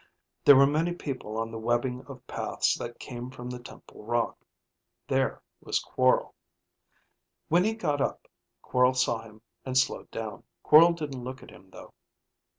There were many people on the webbing of paths that came from the temple rock. There was Quorl! When he caught up, Quorl saw him and slowed down. Quorl didn't look at him, though.